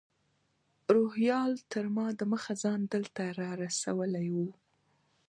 روهیال تر ما دمخه ځان دلته رارسولی و.